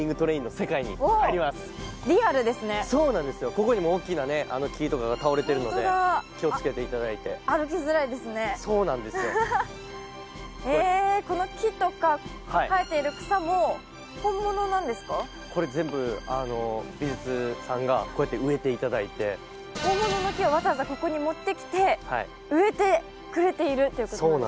ここにも大きなね木とかが倒れてるので気をつけていただいて歩きづらいですねそうなんですよへえこうやって植えていただいて本物の木をわざわざここに持ってきて植えてくれているっていうことなんですね